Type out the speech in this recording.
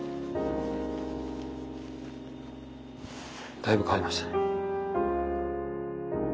だいぶ変わりましたね。